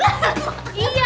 untuk sampai jumpa